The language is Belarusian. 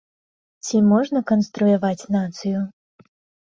Ці можна сканструяваць нацыю?